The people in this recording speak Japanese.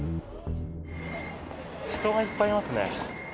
人がいっぱいいますね。